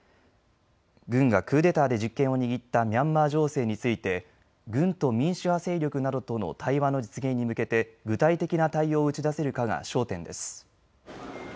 軍がクーデターで実権を握ったミャンマー情勢について軍と民主派勢力などとの対話の実現に向けて具体的な対応を打ち出せるかが焦点です。